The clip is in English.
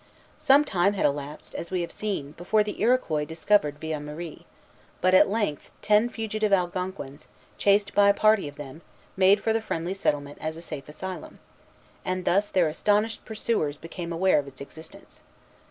Some time had elapsed, as we have seen, before the Iroquois discovered Villemarie; but at length ten fugitive Algonquins, chased by a party of them, made for the friendly settlement as a safe asylum; and thus their astonished pursuers became aware of its existence.